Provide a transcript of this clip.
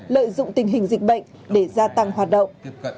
lợi dụng tình hình dịch bệnh để gia tăng hoạt động